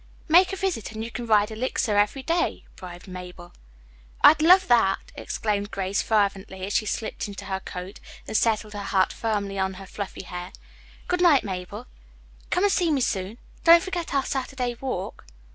"Make me a visit and you can ride Elixir every day," bribed Mabel. "I'd love that!" exclaimed Grace fervently as she slipped into her coat and settled her hat firmly on her fluffy hair. "Good night, Mabel. Come and see me soon. Don't forget our Saturday walk."